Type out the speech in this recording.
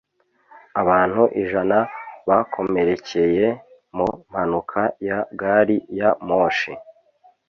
Abantu ijana bakomerekeye mu mpanuka ya gari ya moshi.